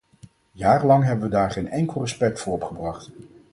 Jarenlang hebben we daar geen enkel respect voor opgebracht.